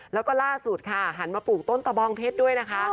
แล้วก็ล่าสุดค่ะหันมาปลูกต้นตะบองเพชรด้วยนะคะ